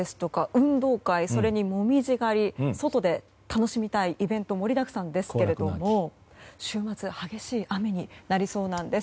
運動会それに紅葉狩り外で楽しみたいイベントが盛りだくさんですけれども週末激しい雨になりそうなんです。